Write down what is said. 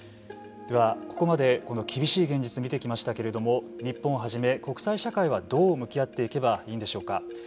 では、ここまでこの厳しい現実を見てきましたけれども日本をはじめ国際社会はどう向き合っていけばいいんでしょうか。